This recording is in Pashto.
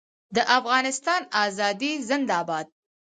د افغانستان ازادي زنده باد.